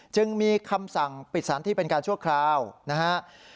จึงมีคำสั่งปิดสถานที่เป็นการชั่วคราวนะครับ